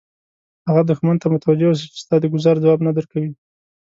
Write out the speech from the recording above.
هغه دښمن ته متوجه اوسه چې ستا د ګوزار ځواب نه درکوي.